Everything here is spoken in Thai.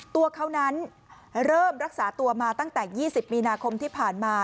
ตัวเขานั้นเริ่มรักษาตัวมาตั้งแต่๒๐มีนาคมที่ผ่านมา